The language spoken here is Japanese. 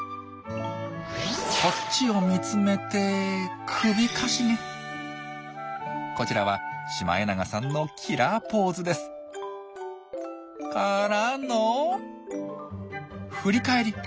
こっちを見つめてこちらはシマエナガさんのキラーポーズです。からの振り返り！